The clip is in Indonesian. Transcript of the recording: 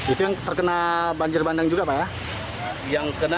itu yang terkena banjir bandang juga pak ya